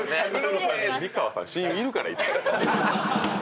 美川さん、親友いるから、いっぱい。